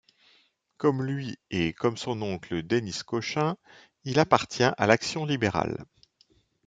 Comme lui et comme son oncle Denys Cochin, il appartient à l'Action libérale.